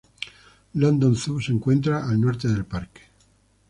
London Zoo se encuentra al norte del parque.